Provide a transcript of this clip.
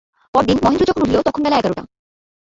পরদিন মহেন্দ্র যখন উঠিল তখন বেলা এগারোটা।